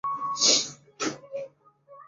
民间相传该建筑为曾国荃后裔所建家祠。